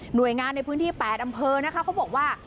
โดยงานในพื้นที่๘อำเภอนะคะเขาบอกว่า